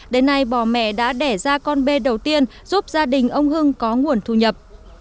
đến nay bà mẹ đã đẻ ra con bê đầu tiên giúp gia đình ông hưng có nguồn thu nhập